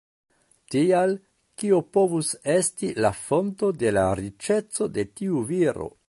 Tial, kio povus esti la fonto de la riĉeco de tiu viro?